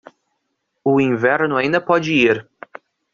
O inverno ainda pode ir